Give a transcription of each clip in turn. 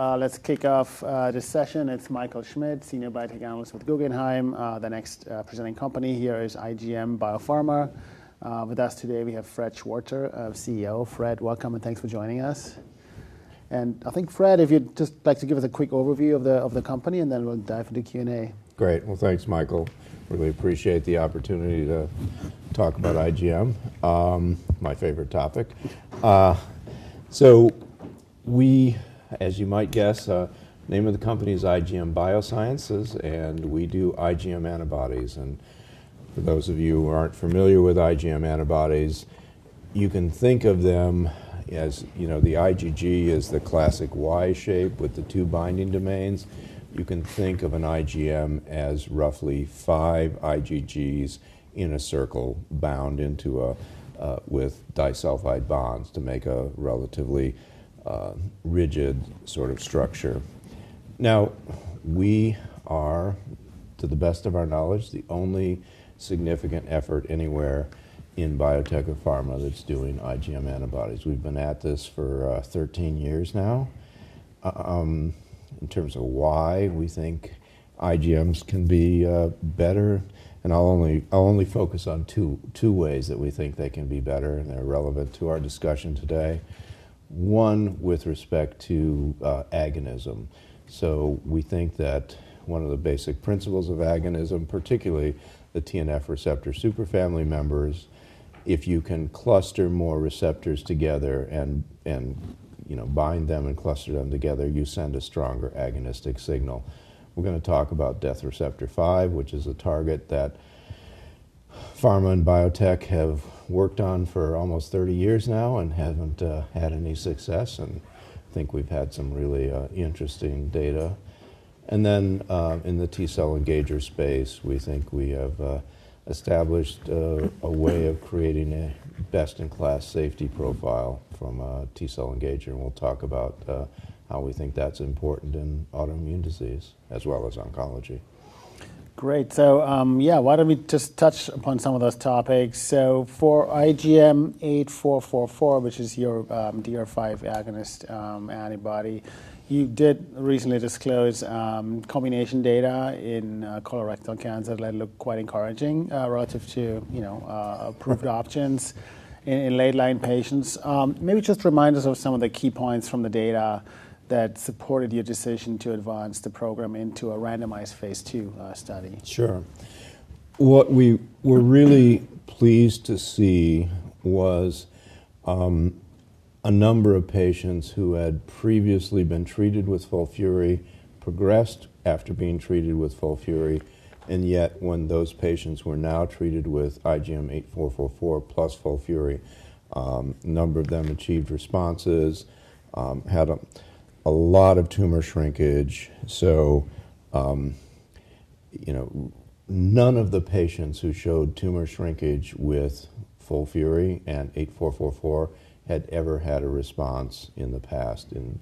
Let's kick off this session. It's Michael Schmidt, Senior Biotech Analyst with Guggenheim. The next presenting company here is IGM Biosciences. With us today we have Fred Schwarzer, CEO. Fred, welcome, and thanks for joining us. I think, Fred, if you'd just like to give us a quick overview of the company, and then we'll dive into Q&A. Great. Well, thanks, Michael. Really appreciate the opportunity to talk about IGM, my favorite topic. We, as you might guess, name of the company is IGM Biosciences, and we do IGM antibodies. For those of you who aren't familiar with IGM antibodies, you can think of them as, you know, the IgG is the classic Y shape with the two binding domains. You can think of an IGM as roughly five IgGs in a circle bound into a with disulfide bonds to make a relatively rigid sort of structure. We are, to the best of our knowledge, the only significant effort anywhere in biotech or pharma that's doing IGM antibodies. We've been at this for 13 years now. In terms of why we think IGMs can be better, I'll only focus on two ways that we think they can be better and are relevant to our discussion today. One, with respect to agonism. We think that one of the basic principles of agonism, particularly the TNF receptor super family members, if you can cluster more receptors together, bind them and cluster them together, you send a stronger agonistic signal. We're gonna talk about death receptor five, which is a target that pharma and biotech have worked on for almost 30 years now and haven't had any success, and I think we've had some really interesting data. In the T-cell engager space, we think we have established a way of creating a best-in-class safety profile from T-cell engager, and we'll talk about how we think that's important in autoimmune disease as well as oncology. Great. Yeah, why don't we just touch upon some of those topics? For IGM-8444, which is your DR5 agonist antibody, you did recently disclose combination data in colorectal cancer that looked quite encouraging, relative to, you know, approved options in late line patients. Maybe just remind us of some of the key points from the data that supported your decision to advance the program into a randomized Phase II study. Sure. What we were really pleased to see was, a number of patients who had previously been treated with FOLFIRI, progressed after being treated with FOLFIRI, and yet when those patients were now treated with IGM-8444 plus FOLFIRI, a number of them achieved responses, had a lot of tumor shrinkage. You know, none of the patients who showed tumor shrinkage with FOLFIRI and 8444 had ever had a response in the past in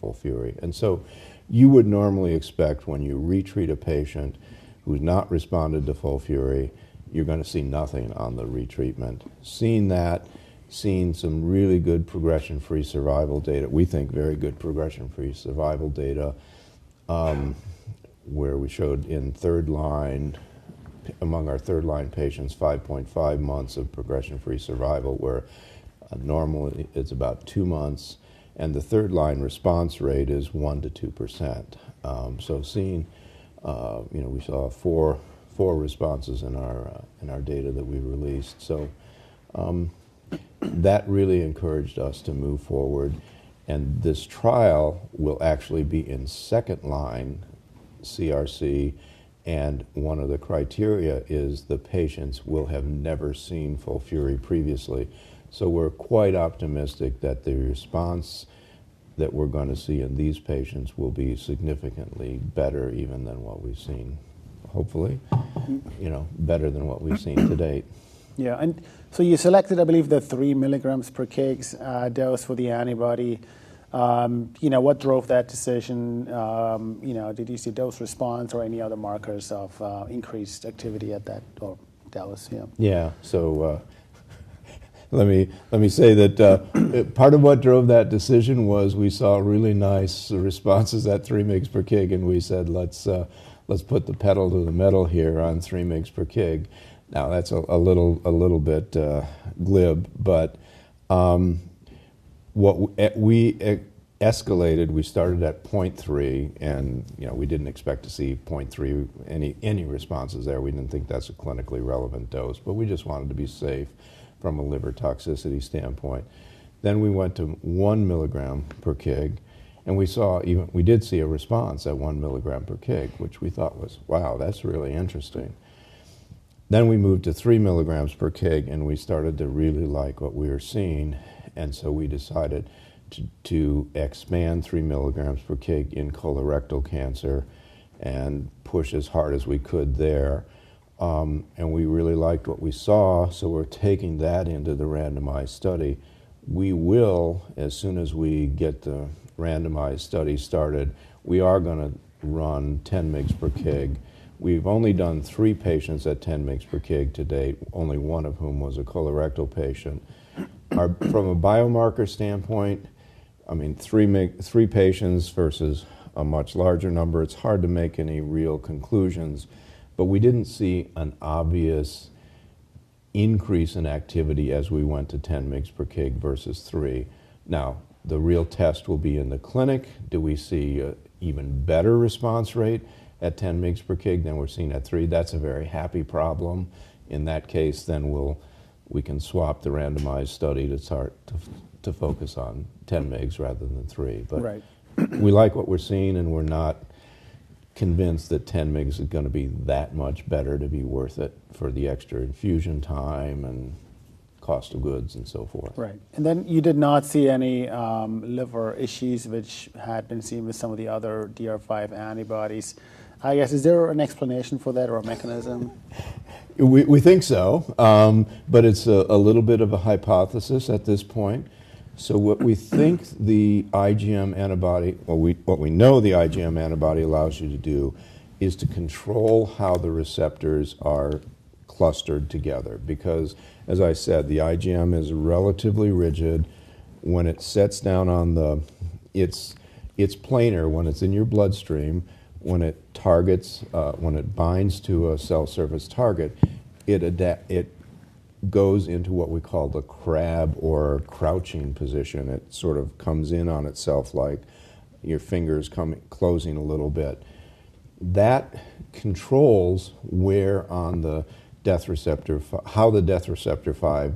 FOLFIRI. You would normally expect when you re-treat a patient who's not responded to FOLFIRI, you're gonna see nothing on the re-treatment. Seeing that, seeing some really good progression-free survival data, we think very good progression-free survival data, where we showed in third line, among our third-line patients, 5.5 months of progression-free survival, where normally it's about two months, and the third-line response rate is 1%-2%. Seeing, you know, we saw four responses in our data that we released. That really encouraged us to move forward, and this trial will actually be in second line CRC, and one of the criteria is the patients will have never seen FOLFIRI previously. We're quite optimistic that the response that we're gonna see in these patients will be significantly better even than what we've seen, hopefully. You know, better than what we've seen to date. Yeah. You selected, I believe, the 3 milligrams per kgs dose for the antibody. You know, what drove that decision? You know, did you see dose response or any other markers of increased activity at that dose? Yeah. Yeah. let me say that part of what drove that decision was we saw really nice responses at 3 milligrams per kg, and we said, "Let's put the pedal to the metal here on 3 milligrams per kg." Now, that's a little bit glib, but we escalated, we started at 0.3 milligrams, and, you know, we didn't expect to see 0.3 milligrams any responses there. We didn't think that's a clinically relevant dose, but we just wanted to be safe from a liver toxicity standpoint. We went to 1 milligram per kg, and we did see a response at 1 milligram per kg, which we thought was, "Wow, that's really interesting." We moved to 3 milligrams per kg, we started to really like what we were seeing, we decided to expand 3 milligrams per kg in colorectal cancer and push as hard as we could there. We really liked what we saw, we're taking that into the randomized study. We will, as soon as we get the randomized study started, we are gonna run 10 milligrams per kg. We've only done three patients at 10 milligrams per kg to date, only one of whom was a colorectal patient. From a biomarker standpoint-I mean, three patients versus a much larger number, it's hard to make any real conclusions. We didn't see an obvious increase in activity as we went to 10 milligrams per kg versus 3 milligrams. The real test will be in the clinic. Do we see a even better response rate at 10 milligrams per kg than we're seeing at 3 milligrams? That's a very happy problem. In that case, we can swap the randomized study to start to focus on 10 milligrams rather than milligrams. Right. We like what we're seeing, we're not convinced that 10 mgs is going to be that much better to be worth it for the extra infusion time and cost of goods and so forth. Right. You did not see any, liver issues which had been seen with some of the other DR5 antibodies. I guess, is there an explanation for that or a mechanism? We think so, but it's a little bit of a hypothesis at this point. What we think the IgM antibody or what we know the IgM antibody allows you to do is to control how the receptors are clustered together because, as I said, the IgM is relatively rigid. When it sets down on the, it's, it's planar when it's in your bloodstream. When it targets, when it binds to a cell surface target, it goes into what we call the crab or crouching position. It sort of comes in on itself like your fingers coming, closing a little bit. That controls where on the death receptor how the death receptor five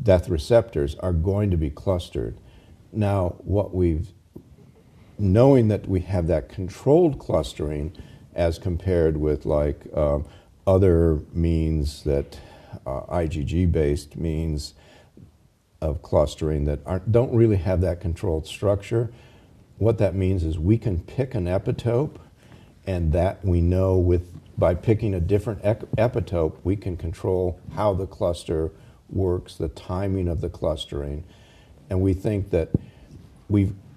death receptors are going to be clustered. What we've. Knowing that we have that controlled clustering as compared with like, other means that IgG-based means of clustering that don't really have that controlled structure, what that means is we can pick an epitope, and that we know with by picking a different epitope, we can control how the cluster works, the timing of the clustering. We think that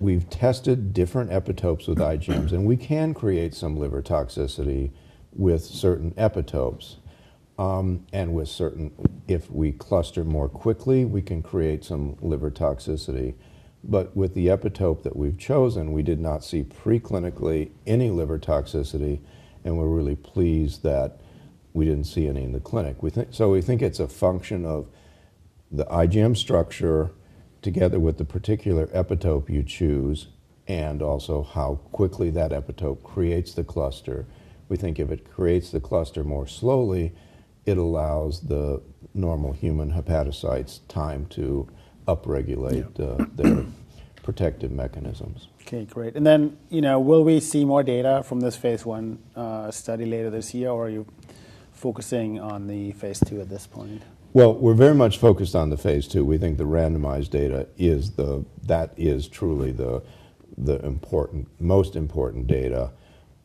we've tested different epitopes with IgMs, and we can create some liver toxicity with certain epitopes. If we cluster more quickly, we can create some liver toxicity. With the epitope that we've chosen, we did not see preclinically any liver toxicity, and we're really pleased that we didn't see any in the clinic. We think it's a function of the IgM structure together with the particular epitope you choose and also how quickly that epitope creates the cluster. We think if it creates the cluster more slowly, it allows the normal human hepatocytes time to upregulate the. Yeah. Their protective mechanisms. Okay, great. you know, will we see more data from this phase I study later this year, or are you focusing on the phase II at this point? Well, we're very much focused on the phase II. We think the randomized data that is truly the important, most important data.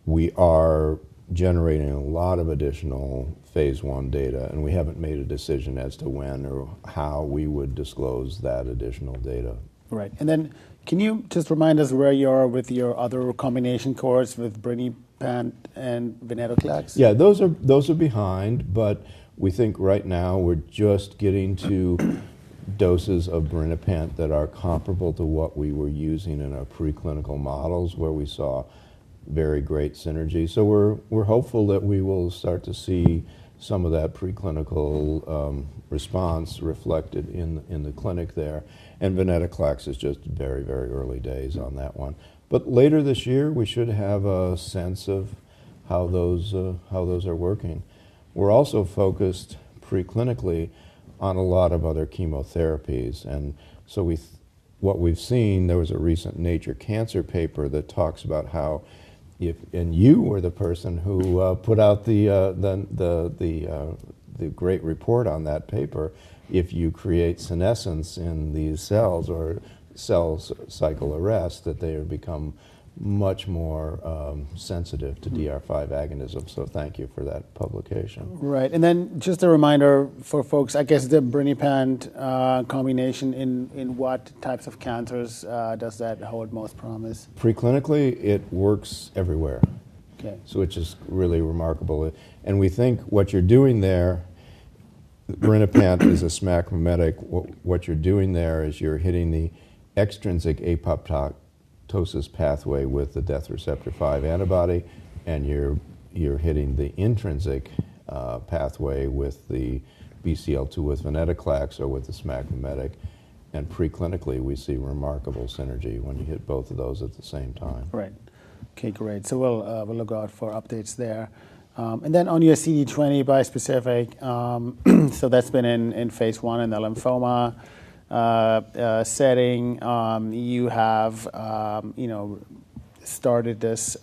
We are generating a lot of additional phase I data, we haven't made a decision as to when or how we would disclose that additional data. Right. Then can you just remind us where you are with your other combination course with Birinapant and Venetoclax? Those are behind, but we think right now we're just getting to doses of Birinapant that are comparable to what we were using in our preclinical models, where we saw very great synergy. We're hopeful that we will start to see some of that preclinical response reflected in the clinic there, and Venetoclaxis just very, very early days on that one. Later this year, we should have a sense of how those are working. We're also focused preclinically on a lot of other chemotherapies, and so what we've seen, there was a recent Nature Cancer paper that talks about how if. You were the person who put out the great report on that paper. If you create senescence in these cells or cell cycle arrest, that they would become much more sensitive to DR5 agonism, thank you for that publication. Right. Just a reminder for folks, I guess the Birinapant combination in what types of cancers does that hold most promise? Preclinically, it works everywhere. Okay. Which is really remarkable. We think what you're doing there, birinapant is a SMAC mimetic. What you're doing there is you're hitting the extrinsic apoptosis pathway with the death receptor five antibody, and you're hitting the intrinsic pathway with the BCL-2 with Venetoclax or with the SMAC mimetic. Preclinically, we see remarkable synergy when you hit both of those at the same time. Right. Okay, great. We'll look out for updates there. On your CD20 bispecific, so that's been in phase I in the lymphoma setting. You have, you know, started this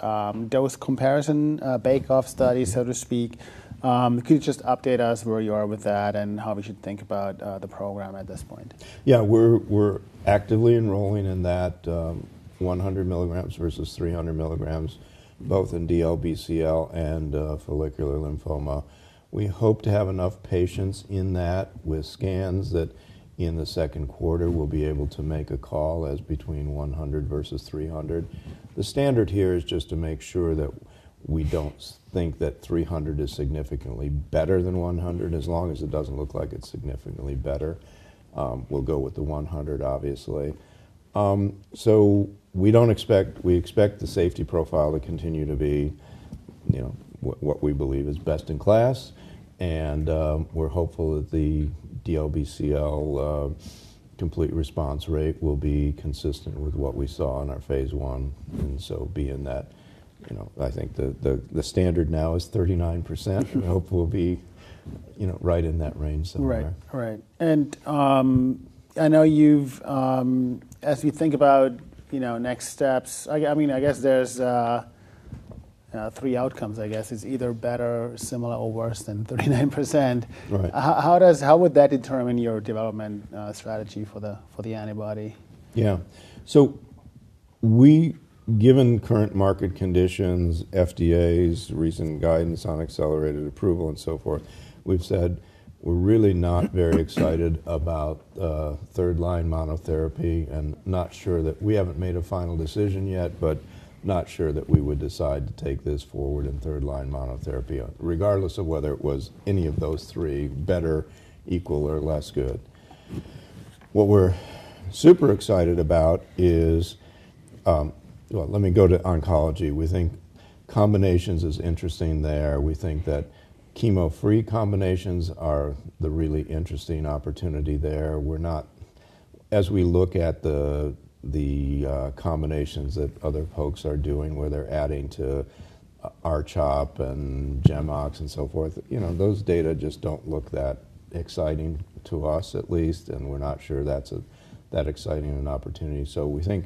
dose comparison bake-off study, so to speak. Could you just update us where you are with that and how we should think about the program at this point? Yeah. We're actively enrolling in that, 100 milligrams versus 300 milligrams, both in DLBCL and follicular lymphoma. We hope to have enough patients in that with scans that in the second quarter we'll be able to make a call as between 100 milligrams versus 300 milligrams. The standard here is just to make sure that we don't think that 300 milligrams is significantly better than 100 milligrams. As long as it doesn't look like it's significantly better, we'll go with the 100 milligrams obviously. We expect the safety profile to continue to be, You know, what we believe is best in class. We're hopeful that the DLBCL, complete response rate will be consistent with what we saw in our phase I, and so be in that, you know. I think the standard now is 39%. Hope we'll be, you know, right in that range somewhere. Right. Right. I know you've, as we think about, you know, next steps, I mean, I guess there's three outcomes, I guess. It's either better, similar, or worse than 39%. Right. How would that determine your development, strategy for the antibody? Yeah. We, given current market conditions, FDA's recent guidance on accelerated approval and so forth, we've said we're really not very excited about third line monotherapy, and we haven't made a final decision yet, but not sure that we would decide to take this forward in third line monotherapy, regardless of whether it was any of those three, better, equal, or less good. What we're super excited about is, well, let me go to oncology. We think combinations is interesting there. We think that chemo-free combinations are the really interesting opportunity there. We're not. As we look at the combinations that other folks are doing, where they're adding to R-CHOP, and GEM-OX, and so forth, you know, those data just don't look that exciting, to us at least, and we're not sure that's a, that exciting an opportunity. We think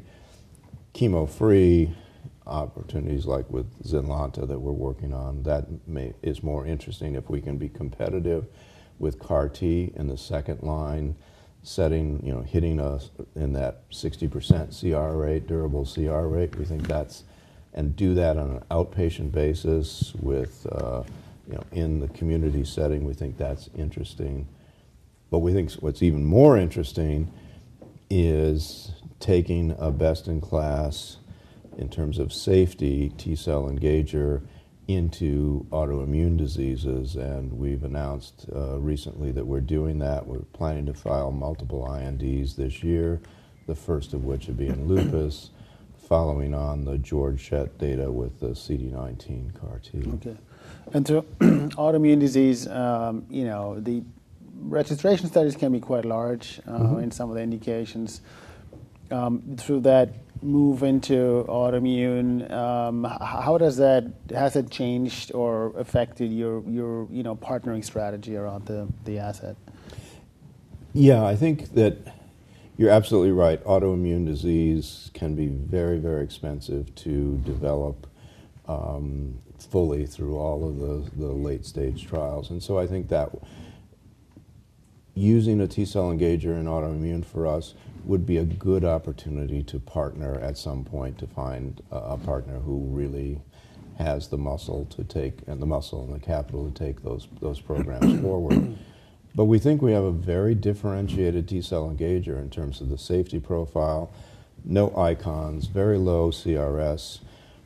chemo-free opportunities, like with ZYNLONTA that we're working on, is more interesting. If we can be competitive with CAR T in the second line setting, you know, hitting us in that 60% CR rate, durable CR rate, we think that's. Do that on an outpatient basis with, you know, in the community setting, we think that's interesting. We think what's even more interesting is taking a best in class, in terms of safety, T-cell engager into autoimmune diseases. We've announced recently that we're doing that. We're planning to file multiple INDs this year, the first of which will be lupus, following on the Georg Schett data with the CD19 CAR T. Okay. autoimmune disease, you know, the registration studies can be quite large. In some of the indications. Through that move into autoimmune, Has it changed or affected your, you know, partnering strategy around the asset? I think that you're absolutely right. Autoimmune disease can be very, very expensive to develop fully through all of the late stage trials. I think that using a T-cell engager in autoimmune for us would be a good opportunity to partner at some point, to find a partner who really has the muscle to take, and the muscle and the capital to take those programs forward. We think we have a very differentiated T-cell engager in terms of the safety profile. No ICANS, very low CRS,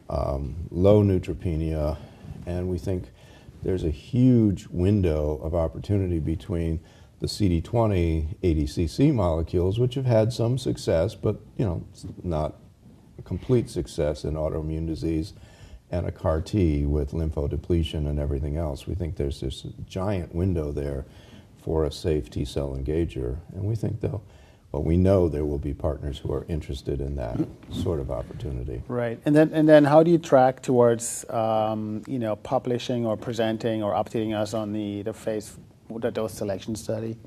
low neutropenia. We think there's a huge window of opportunity between the CD20 ADCC molecules, which have had some success, but, you know, not complete success in autoimmune disease, and a CAR T with lymphodepletion and everything else. We think there's this giant window there for a safe T-cell engager, and we think Well, we know there will be partners who are interested in sort of opportunity. Right. How do you track towards, you know, publishing, or presenting, or updating us on the dose selection study?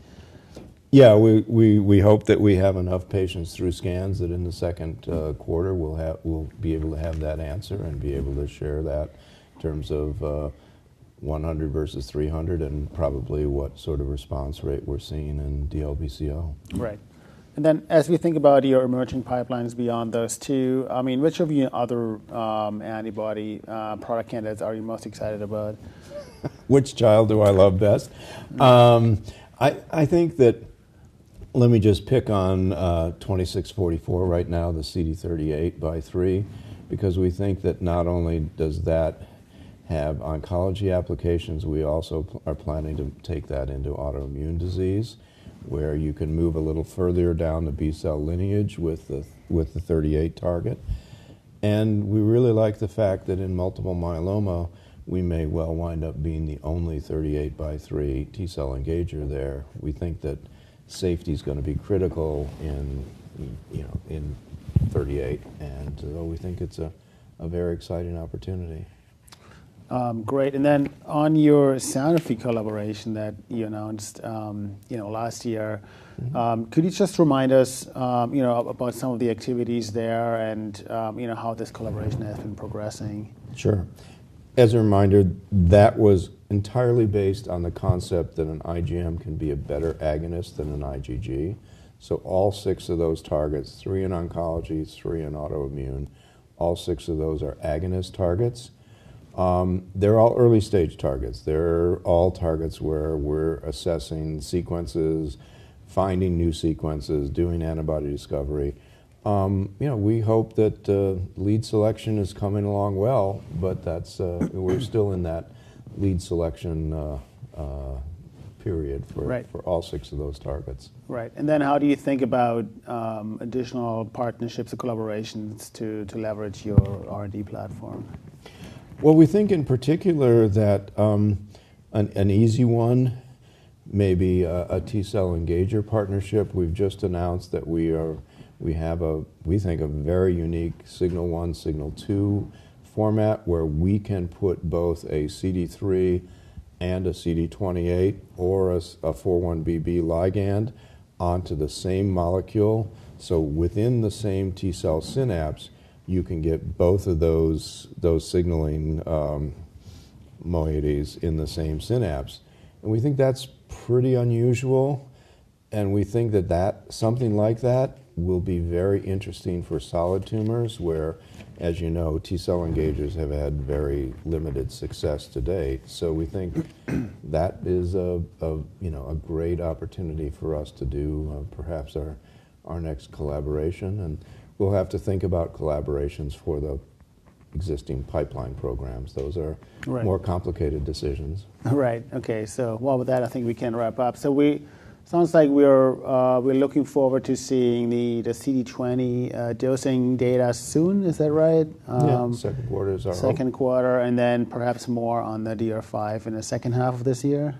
Yeah. We hope that we have enough patients through scans, that in the second quarter we'll be able to have that answer and be able to share that in terms of 100 milligrams versus 300 milligrams, and probably what sort of response rate we're seeing in DLBCL. Right. As we think about your emerging pipelines beyond those two, I mean, which of your other antibody product candidates are you most excited about? Which child do I love best? I think that. Let me just pick on IGM-2644 right now, the CD38x3. We think that not only does that have oncology applications, we also are planning to take that into autoimmune disease, where you can move a little further down the B cell lineage with the, with the 38 target. We really like the fact that in multiple myeloma, we may well wind up being the only 38x3 T-cell engager there. We think that safety's gonna be critical in, you know, in 38. We think it's a very exciting opportunity. Great. On your Sanofi collaboration that you announced, you know, last year. Could you just remind us, you know, about some of the activities there and, you know, how this collaboration has been progressing? Sure. As a reminder, that was entirely based on the concept that an IgM can be a better agonist than an IgG. All six of those targets, three in oncology, three in autoimmune, all six of those are agonist targets. They're all early stage targets. They're all targets where we're assessing sequences, finding new sequences, doing antibody discovery. you know, we hope that lead selection is coming along well, but We're still in that lead selection period for-. Right. For all six of those targets. Right. How do you think about additional partnerships or collaborations to leverage your R&D platform? We think in particular that an easy one may be a T-cell engager partnership. We've just announced that we have a, we think, a very unique signal one, signal two format where we can put both a CD3 and a CD28, or a 4-1BB ligand onto the same molecule. Within the same T-cell synapse, you can get both of those signaling moieties in the same synapse. We think that's pretty unusual, and we think that something like that will be very interesting for solid tumors where, as you know, T-cell engagers have had very limited success to date. That is a, you know, a great opportunity for us to do perhaps our next collaboration. We'll have to think about collaborations for the existing pipeline programs. Right. More complicated decisions. Right. Okay. Well, with that, I think we can wrap up. Sounds like we're looking forward to seeing the CD20 dosing data soon. Is that right? Yeah. Q2 is our hope. Q2, and then perhaps more on the DR5 in the second half of this year.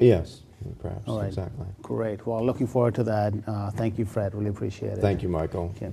Yes. Perhaps. All right. Exactly. Great. Well, looking forward to that. Thank you, Fred. Really appreciate it. Thank you, Michael. Okay.